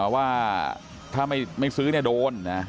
ว่าถ้าไม่ซื้อเนี่ยโดน